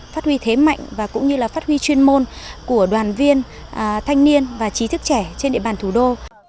phát huy thế mạnh và cũng như là phát huy chuyên môn của đoàn viên thanh niên và trí thức trẻ trên địa bàn thủ đô